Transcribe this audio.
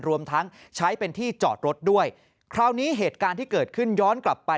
รวมทั้งใช้เป็นที่จอดรถด้วยคราวนี้เหตุการณ์ที่เกิดขึ้นย้อนกลับไป